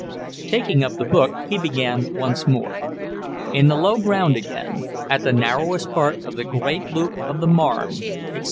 Taking up the book he began once more: "In the low ground again, at the narrowest part of the great loop of the Marne," etc.